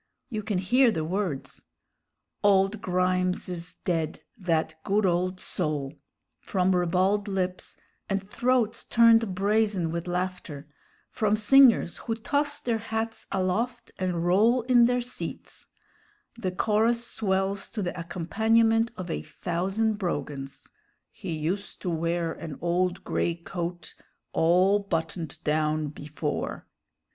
You can hear the words "Old Grimes is dead, that good old soul " from ribald lips and throats turned brazen with laughter, from singers who toss their hats aloft and roll in their seats; the chorus swells to the accompaniment of a thousand brogans "He used to wear an old gray coat All buttoned down before."